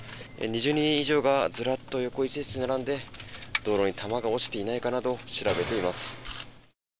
２０人以上がずらっと横１列に並んで道路に弾が落ちていないかなど調べています。